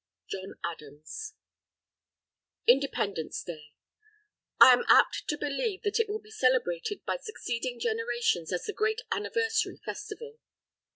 _ JOHN ADAMS INDEPENDENCE DAY _I am apt to believe that it will be celebrated by succeeding generations as the great anniversary festival.